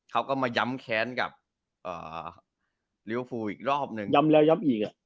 เขาก็มาย๊ำแค้นกับลิเวอร์ฟูอีกรอบนึง